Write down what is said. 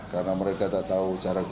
karena mereka tak tahu cara apa